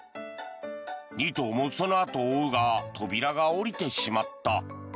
２頭もその後を追うが扉が下りてしまった。